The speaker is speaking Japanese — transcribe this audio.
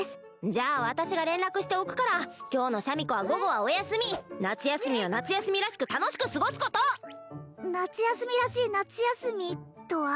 じゃあ私が連絡しておくから今日のシャミ子は午後はお休み夏休みを夏休みらしく楽しく過ごすこと夏休みらしい夏休みとは？